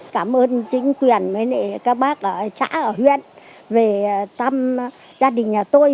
cảm ơn chính quyền các bác trả ở huyện về tâm gia đình nhà tôi